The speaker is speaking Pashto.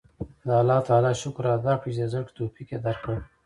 د الله تعالی شکر ادا کړئ چې د زده کړې توفیق یې درکړ.